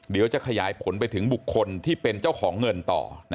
เดี๋ยวจะขยายผลไปถึงบุคคลที่เป็นเจ้าของเงินต่อ